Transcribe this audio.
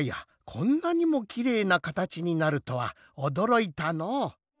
こんなにもきれいなかたちになるとはおどろいたのう。